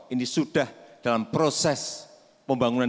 ini sudah dalam proses pembangunan